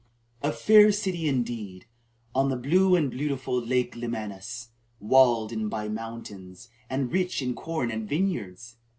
"A fair city indeed, on the blue and beautiful Lake Lemanus, walled in by mountains, and rich in corn and vineyards."